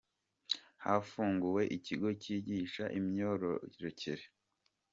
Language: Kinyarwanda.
Hafunguwe ikigo cyigisha imyororokere